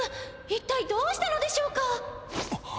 一体どうしたのでしょうか！？